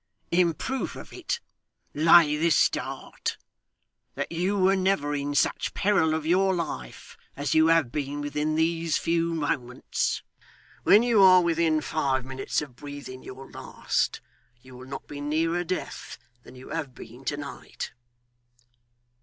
'In proof of it, lay this to heart that you were never in such peril of your life as you have been within these few moments; when you are within five minutes of breathing your last, you will not be nearer death than you have been to night!